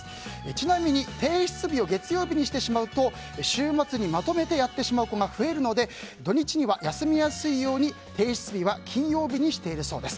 ちなみに提出日を月曜日にしてしまうと週末にまとめてやってしまう子が増えるので土日には休みやすいように提出日は金曜日にしているそうです。